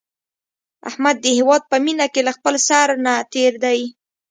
احمد د هیواد په مینه کې له خپل سر نه تېر دی.